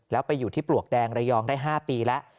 แล้วไปอยู่ที่ปลวกแดงระยองได้๕ปีแล้ว